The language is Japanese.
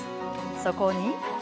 そこに。